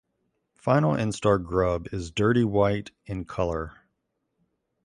Final instar grub is dirty white in color.